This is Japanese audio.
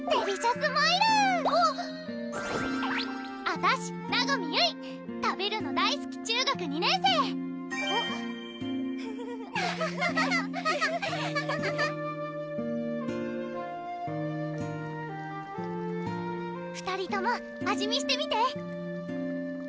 あたし和実ゆい食べるの大すき中学２年生ハハハハ２人とも味見してみて！